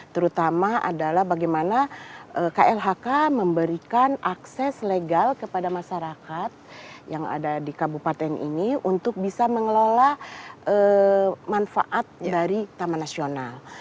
terutama adalah bagaimana klhk memberikan akses legal kepada masyarakat yang ada di kabupaten ini untuk bisa mengelola manfaat dari taman nasional